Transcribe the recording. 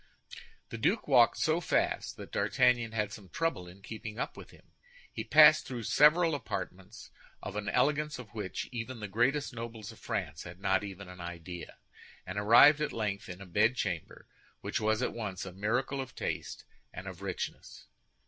The duke walked so fast that D'Artagnan had some trouble in keeping up with him. He passed through several apartments, of an elegance of which even the greatest nobles of France had not even an idea, and arrived at length in a bedchamber which was at once a miracle of taste and of richness.